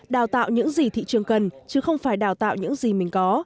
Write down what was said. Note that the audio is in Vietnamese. đào tạo những gì thị trường cần chứ không phải đào tạo những gì mình có